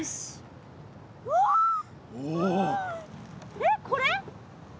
えっこれ？